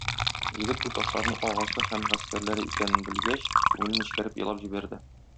Егет, бу ташларның агасы һәм гаскәрләре икәнен белгәч, күңеле нечкәреп елап җибәрде.